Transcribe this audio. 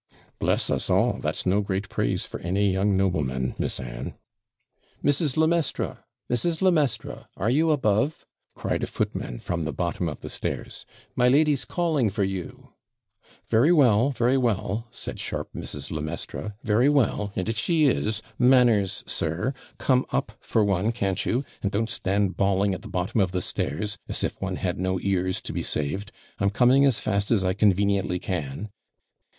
'Bless us all! that's no great praise for any young nobleman. Miss Anne.' 'Mrs. le Maistre! Mrs. le Maistre! are you above?' cried a footman from the bottom of the stairs; 'my lady's calling for you.' 'Very well! very well!' said sharp Mrs. le Maistre; 'very well! and if she is manners, sir! Come up for one, can't you, and don't stand bawling at the bottom of the stairs, as if one had no ears to be saved. I'm coming as fast as I conveniently can.'